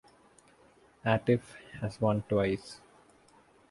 Atif has won twice.